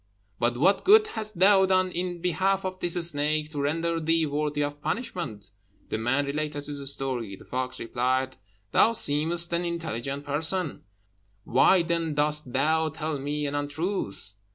But what good hast thou done in behalf of this snake, to render thee worthy of punishment?" The man related his story. The fox replied, "Thou seemest an intelligent person, why then dost thou tell me an untruth?